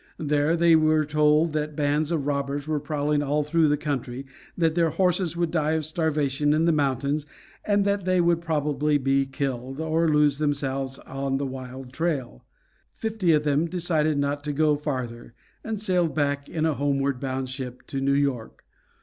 There they were told that bands of robbers were prowling all through the country, that their horses would die of starvation in the mountains, and that they would probably be killed, or lose themselves on the wild trail. Fifty of them decided not to go farther, and sailed back in a homeward bound ship to New York.